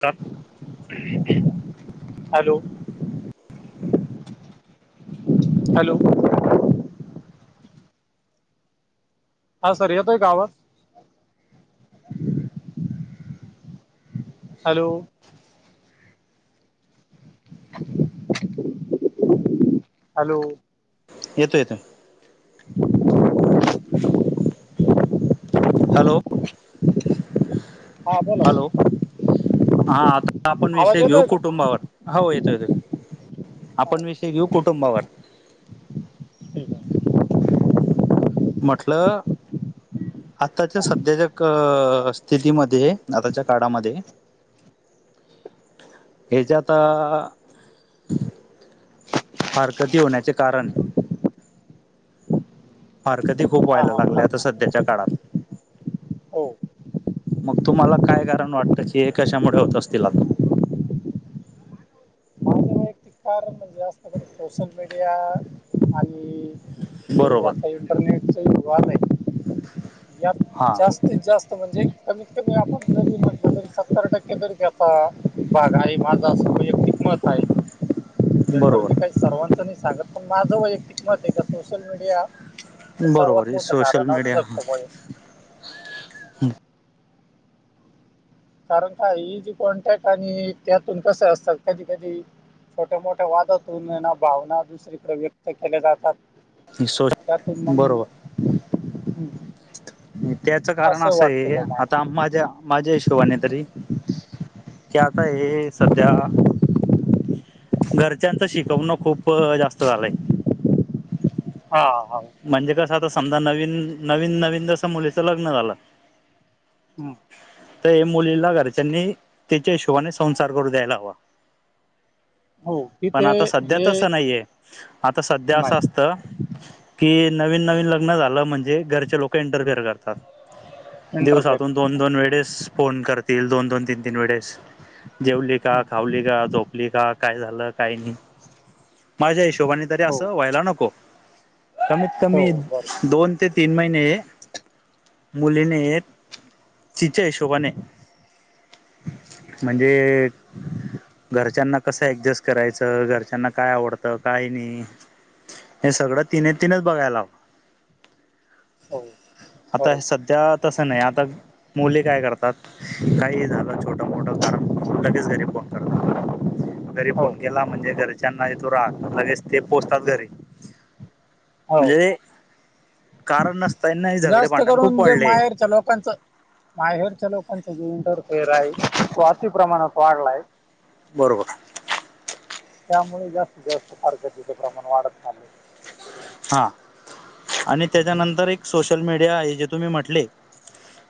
तर hello. Hello. हा sir येतोय का आवाज? हॅलो. हॅलो. येतोय येतोय. हं हॅलो. [inaudible] बोला हॅलो सर हा आता आपण आवाज विषय घेऊ येतोय का कुटुंबावर. हो येतोय येतोय. हा आपण विषय घेऊ ठीक कुटुंबावर. ठीक आहे. म्हटलं आताच्या सध्यातक स्थितीमध्ये आताच्या काळामध्ये हेच्याता फारकती होण्याचे कारण. फारकती खूप हा व्हायला लागल्या हा आता सध्याच्या काळात. हो मग तुम्हाला काय कारण वाटत, की हे कशामुळे होत असतील आता. पण जास्त करून सोशल मीडिया आणि जे बरोबर आताही नेटच [unintelligible] यात हा जास्त ते जास्त म्हणजे कमीत कमी आपण जरी म्हटलं तरी सत्तर टक्के तरी देता. [unintelligible] माझं असं वैयक्तिक मत आहे बरोबर. जनरली काही सर्वांचं नाहीं सांगत पण माझं वैयक्तिक मत आहे का सोशल मीडिया हे बरोबर सर्वात हे मोठं सोशल कारण मीडिया असू शकतो बुवा हे. कारण का ही जी कॉन्ट्रॅक्ट आणि त्यातून कसं असतं कधी-कधी छोटे मोठ्या वादातुन आहे ना भावना दुसरीकड व्यक्त केल्या जातात. त्यातून [unintelligible] मग बरोबर. हं, त्याच कारण असं वाटतं आहे बा मला आता माझ्या माझ्या हिशोबाने तरी, की आता हे सध्या घरच्यांच शिकवणं खूप जास्त झालंय. हा. म्हणजे कसं आता समजा नवीन नवीन नवीन जसं मुलीचं लग्न झालं. हम्म. तर मुलीला घरच्यांनी त्याच्या हिशोबाने संसार करू द्यायला हवा. हो. पण तिथे आता सध्या जे तसं नाहीये. आता सध्या असं नाही असतं कि नवीन नवीन लग्न झालं म्हणजे घरचे लोकं इंटरफेअर करतात. इंटरफेअर दिवसातून करतात दोन-दोन वेळेस फोन करतील दोन-दोन, तीन-तीन वेळेस. जेवली का हं. खावली का झोपली का काय झालं काही नाही. माझ्या हिशोबाने तरी हो असं व्हायला नको कमीत हो कमी बरोबर दोन. ते तीन महिने मुलीने तीच्या हीशोबाने म्हणजे घरच्यांना कसं ऍडजेस्ट करायचं घरच्यांना काय आवडतं काय नाही. हे सगळं तिने तीनच बघायला हवं. हो आता हे बरोबर सध त्या तसं नाही आता मुली काय करतात काही झालं छोटं मोठं कारण लगेच घरी फोन करतात. घरी हो फोन केला म्हणजे घरच्यांना येतो राग लगेच ते पोहोचतात घरी. हो म्हणजे कारण नसता ना हि झगडे जास्त भांडण खूप करून जे वाढले. माहेरच्या लोकांचं माहेरच्या लोकांचा ईंटर फेर आहे तो अती प्रमाणात वाढलाय [unintelligible] बरोबर. त्यामुळे जास्तीत जास्त फारकतीचं प्रमाण वाढत चाले [unintelligible] हा आणि त्याच्यानंतर एक सोशल मीडिया आहे जे तुम्ही म्हटले‌.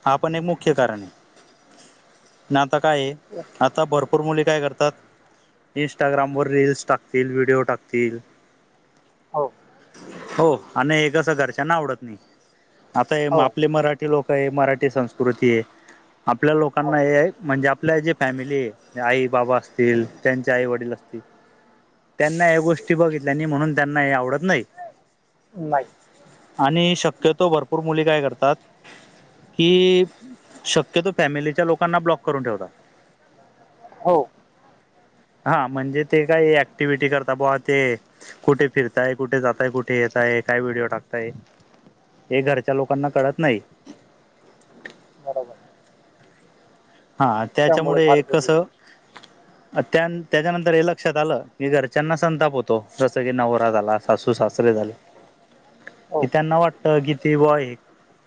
हा पण एक मुख्य कारण आहे नाता काये येस [unintelligible] आता भरपूर मुली काय करतात इंस्टाग्रामवर रीलस टाकतील व्हिडिओ टाकतील. हो. हो आणि हे कस घरच्यांना आवडत नाही आता हो आपले मराठी. ते लोक आहे मराठी संस्कृती आहे आपल्या हो लोकांना हे म्हणजे आपल्या जे. फॅमिलीये आई बाबा असतील त्यांचे आई वडील असतील त्यांना या गोष्टी बघितल्या आणि म्हणून त्यांना हे आवडत नाही. नाही. आणि शक्यतो भरपूर मुली काय करतात कि शक्यतो फॅमिलीच्या लोकांना ब्लॉक करून ठेवता. हो हा म्हणजे ते काही ऍक्टिव्हटी करता बुवा ते कुठे फिरताय कुठे जाताय कुठ ते येताय काय व्हिडिओ टाकताय हे घरच्या लोकांना कळत नाही. बरोबर. हा त्यामुळे त्याच्यामुळे फारकती कस त्या त्याच्यानंतर हे लक्षात आलं की घरच्यांना संताप होतो जसं की नवरा झाला सासू सासरे झाले. हो [unintelligible] हो कि त्यांना वाटत कि ते बॉ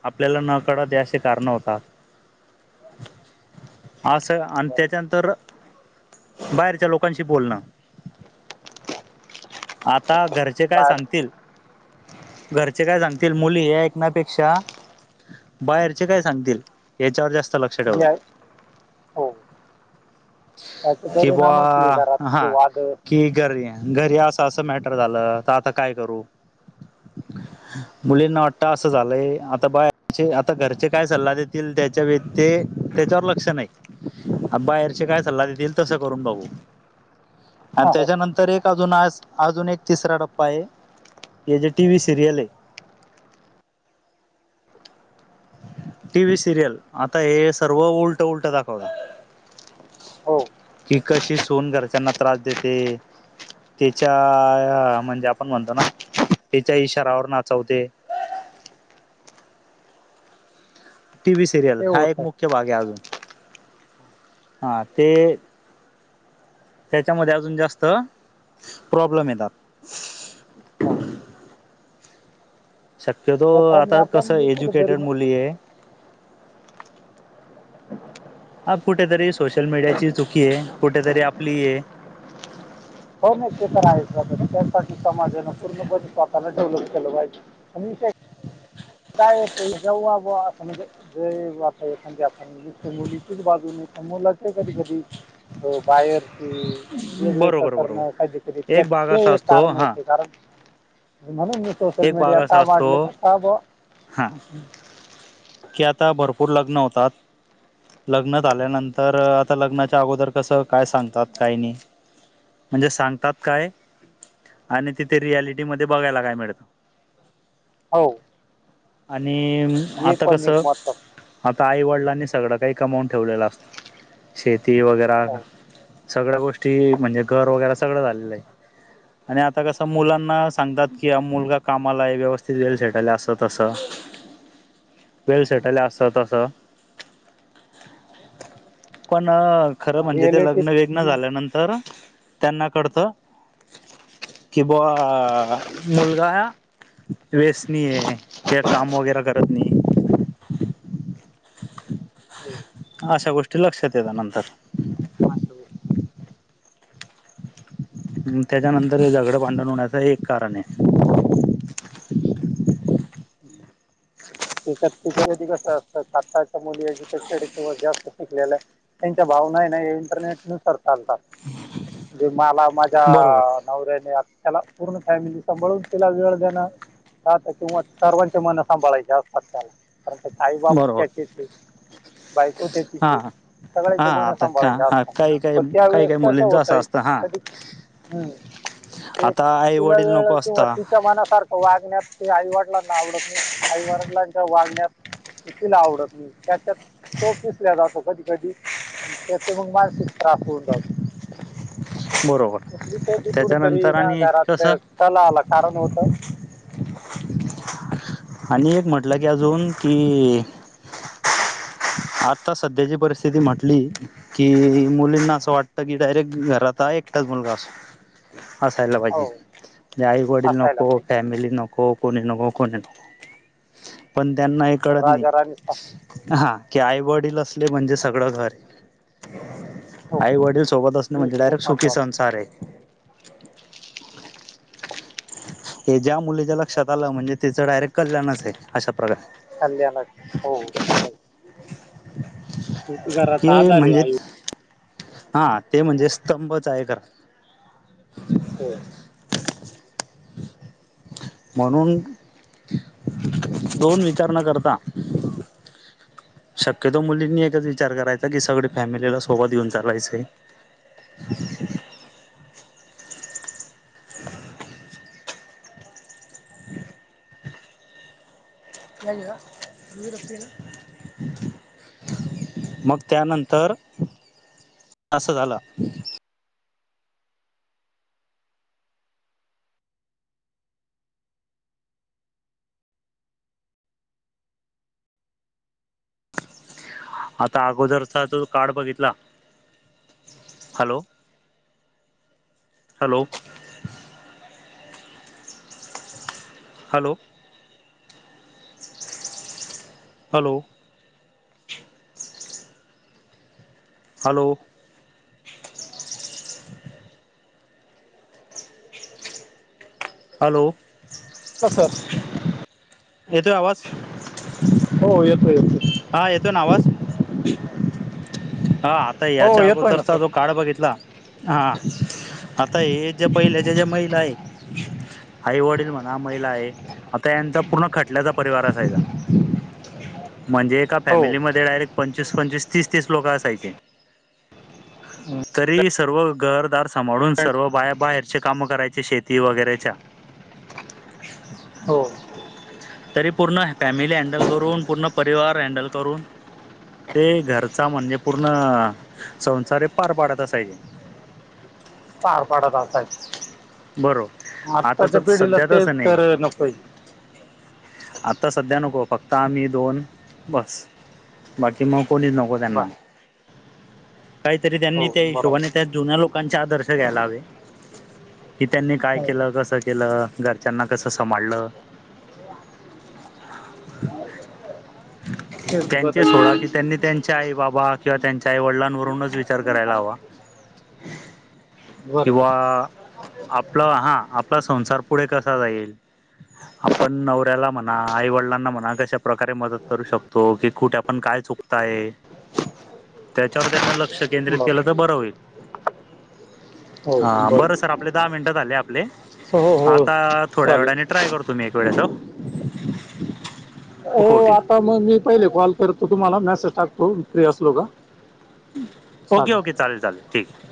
आपल्याला न कळत असे कारण होतात. असं आणि बरोबर त्याच्यानंतर बाहेरच्या लोकांशी बोलणं आता घरचे काय बाहेर सांगतील घरचे काय सांगतील मुली हे ऐकण्यापेक्षा बाहेरचे काय सांगतील याच्यावर जास्त लक्ष जे ठेवा. आहे हो त्याचे कि बा परिणामच हे घरातले हा वाद कि घरी घरी अस असं मॅटर झालं तर आता काय करू? मुलींना वाटत असं झालंय आता बायचे आता घरचे काय सल्ला देतील त्या त्या व ते त्याच्यावर लक्ष नाही बाहेरचे काय सल्ला देतील तसं करून बाघू. आणि हो त्याच्यानंतर एक अजून आज अजून एक तिसरा टप्पा आहे हे जे टी व्ही सिरियल हे टी व्ही सिरियल आता हे सर्व उलट उलट दाखवता. हो कि कशी सुन घरच्यांना त्रास देते त्याच्या म्हणजे आपण म्हणतो ना त्याच्या इशारावर नाचवते. टीव्ही सिरियल ते हा होत एक नाही मुख्य भाग आहे अजून हा ते त्याच्यामध्ये अजून जास्त प्रॉब्लेम येतात. हो शक्यतो त्याच्याने आता आपण कसं जे कुठेतरी एज्युकेटेड मुली आहे. हा कुठेतरी सोशल मीडियाचीही चुकी आहे, कुठेतरी आपली आहे. हो ना ते तर आहेच त्यासाठी समाजानं पूर्णपणे स्वतःला डेव्हलप केलं पाहिजे. आणि विषय प जाऊ आ आपणताख म्हणजे आपण [unintelligible] म्हणज मुलीचीच बाजूने त्या मुलाच्या कधी कधी अ बाहेर [unintelligible] कि वेगळे्या बरोबर प्रकारण बरोबर काध की एक भाग त्याचे असा एक असतो कारण हा होते कारण [unintelligible] म्हणून मी एक सोशल भाग मीडिया असा का असतो वाढलं का का बुवा. हा. [unintelligible] की आता भरपूर लग्न होतात. लग्नात आल्यानंतर आता लग्नाच्या अगोदर कसं काय सांगतात, काय नाही. म्हणजे सांगतात काय आणि तिथे रियालिटीमध्ये बघायला काय मिळतं. हो. आणि हे आता पण एक कसं महत्वाचं आता आई वडिलांनी सगळं काही कमवून ठेवलेलं असतं. शेती वगैरा हो सगळ्या गोष्टी म्हणजे घर वगैरे सगळं झालेलं आहे. आणि आता कसं मुलांना सांगतात, की हा मुलगा कामाला आहे, व्यवस्थित वेल सेटल असं तसं वेल सेटल आहे अस तसं. पण खरं म्हणजे ते रिॲलिटी लग्न एक ना झाल्यानंतर त्यांना कडत की बा मुलगा व्यसनी आहे, काही काम वगैरे करत नाही. अशा गोष्टी लक्षात येत नंतर. हम्म त्याच्यानंतर झगडं भांडण होण्याचं एक कारण आहे. तिच्या तिच्या कधी कसं असतं आताच्या मुली एज्युकेटेड किंवा जास्त शिकलेल्या त्यांच्या भावना आहे ना इंटरनेटनुसार चालतात, जो मला माझ्या बरोबर नवऱ्याने आता त्याला पूर्ण फॅमिली सांभाळून, तिला वेळ देणं काय आता किंवा सर्वांचे मन सांभाळायचे असतात त्याला, कारण ते आई बाप बरोबर. त्याचेच आहेत. बायको त्याचीच हा आहे. सगळ्यांचे हा मन आता का सांभाळायचे हा असतात, काही काही पण काही त्यावेेळेस काही कसं मुलींच असं होतय असतं हा कधी हम्म ते आता आई तिला वडील वेळ नको किंवा असता ती च्या मनासारखं वागण्यात ते आई वडलांना आवडत नाही. आई वर च्या वागण्यात ते तिला आवडत नाही. त्याच्यात तो पिसल्या जातो कधी कधी. आणि त्याचे मग मानसिक त्रास होऊन जातो. बरोबर कसली तरी कुठेतरी त्याच्यानंतर ना आणि घरात कसं [unintelligible] आला कारण होतं. आणि एक म्हंटल की अजून की आता सध्याची परिस्थिती म्हंटली कि मुलींना असं वाटतं की, डायरेक्ट घरात हा एकटाच मुलगा असावा. असायला पाहिजे. हो म्हणजे आई वडील असायला नको, पाहिजे फॅमिली नको, कोणी नको, कोणी नको. पण त्यांना हे पण कळत नाही. राजा राणीचा हा. की आई वडील असले म्हणजे सगळं घर हो आई वडील सोबत असणं हे म्हणजे खूप डायरेक्ट सुखी महत्वाचं संसार आहे. हे ज्या मुलीच्या लक्षात आलं म्हणजे त्याचं डायरेक्ट कल्याणच आहे अशा प्रकारे. कल्याणच हो [unintelligible] शेवटी के घराचा आधार आहे म्हणजे आई हा ते म्हणजे स्तंभच आहे खर. हो. म्हणून दोन विचार नं करता शक्यतो मुलींनी एकच विचार करायचा, की सगळे फॅमिलीला सोबत घेऊन चालायचं आहे. [unintelligible] मग त्यानंतर असं झालं. आता अगोदरचा जर काळ बघितला hello hello. Hello. Hello. Hello! Hello! Sir [unintelligible] एतोय आवाज? हो येतो येतोय. हा येतोय ना आवाज? हा आता हो याच्या येतोय ना अगोदरचा सर जो काळ बघितला हा आता हे जे पहिल्याचे ज्या महिला आहे आई वडील म्हणा महिला आहे आता याचा पूर्ण खटल्याचा परिवार असायचा. म्हणजे एका हो फॅमिलीमध्ये डायरेक्ट पंचवीस पंचवीस तीस तीस लोक असत पाहीजे तरी सर्व घरदार सांभाळून सर्व बाया बाहेर चे कामं करायचे शेती वगैरेच्या. हो. तरी पूर्ण फॅमिली हँडल करून पूर्ण परिवार हँडल करून ते घरचा म्हणजे पूर्ण संसार पार पाडत असायचे. पार पाडत असायच बरोबर आत्ताच्या आताच पिढीला सध्या ते तसं तर नाही नकोय. आता सध्या नको फक्त आम्ही दोन बस. बाकी मग कोणीच नको बर त्यांना. काहीतरी हो त्यांनी त्या हिशोबाने बरोबर त्या जुन्या लोकांचे आदर्श घ्यायला हवे. कि त्यांनी काय हो केलं कसं केलं घरच्यांना कसं संभाळलं [unintelligible] त्यांच्या आई बाबा किंवा त्यांच्या आई वडिलांवरूनच विचार करायला हवा. कींवा बरोबर आपल हा आपला संसार पुढे कसा जाईल आपण नवऱ्याला म्हणा आईवडिलांना म्हणा कशा प्रकारे मदत करू शकतो की कुठे आपण काय चुकतो ताय [unintelligible] त्याच्यावर त्यांना लक्ष केंद्रित केलं तर बरोबर बरं होईल. हो हा बरं बरोबर सर आपले दहा मिनिटं झाले सो हो हो आता थोड्या चालेल वेळाने ट्राय करतो मी एक वेळेस हो आता मग मी पहिले कॉल करतो तुम्हाला मेसेज टाकतो फ्री असलो का ओके ओके चालेल चालेल ठीक आहे.